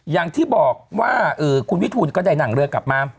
อย่างที่บอกว่าคุณวิทูลก็ได้นั่งเรือกลับมา